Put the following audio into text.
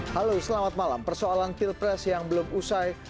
halo selamat malam persoalan pilpres yang belum usai